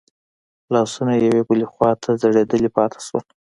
لاسونه يې يوې بلې خواته ځړېدلي پاتې شول.